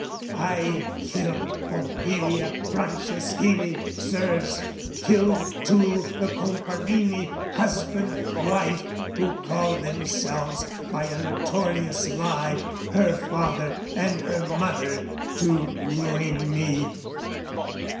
I killed Pompilia Franceschini, Sirs; Killed too the Comparini, husband, wife, Who called themselves, by a notorious lie, Her father and her mother to ruin me.